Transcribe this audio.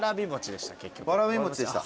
わらびもちでした？